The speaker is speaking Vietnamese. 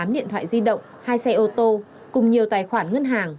tám điện thoại di động hai xe ô tô cùng nhiều tài khoản ngân hàng